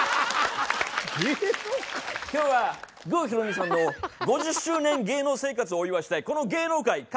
今日は郷ひろみさんの５０周年芸能生活をお祝いしてこの芸能界駆けつけました。